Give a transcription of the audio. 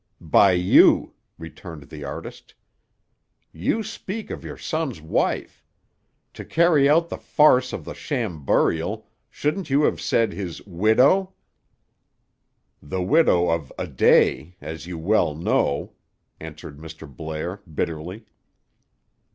"By you," returned the artist. "You speak of your son's wife. To carry out the farce of the sham burial, shouldn't you have said his 'widow'?" "The widow of a day—as you well know," answered Mr. Blair bitterly.